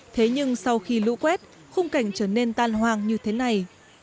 thế nhưng sau khi lũ quét khung cảnh trở nên tan hoang như thế này